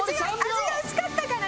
味が薄かったから。